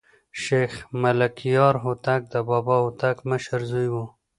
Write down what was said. شېخ ملکیار هوتک د بابا هوتک مشر زوى وو.